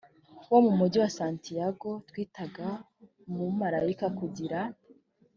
wo mu mugi wa santiago twitaga umumarayika kugira